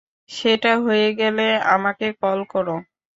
সেটা হয়ে গেলে আমাকে কল করো!